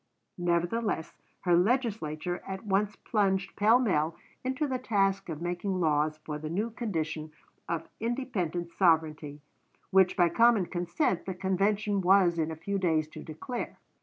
Nevertheless, her Legislature at once plunged pell mell into the task of making laws for the new condition of independent sovereignty which by common consent the convention was in a few days to declare.